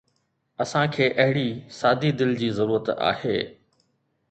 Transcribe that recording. اسان کي اهڙي سادي دل جي ضرورت آهي